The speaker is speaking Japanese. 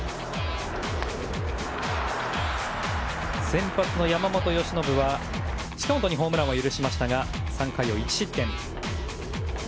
先発の山本由伸は近本にホームランを許しましたが３回を１失点。